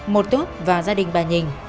một tốt vào gia đình bà nhìn